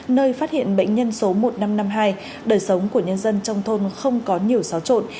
nơi phát hiện bệnh nhân số một nghìn năm trăm năm mươi hai đời sống của nhân dân trong thôn không có nhiều xáo trộn